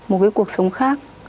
một cái cuộc sống khác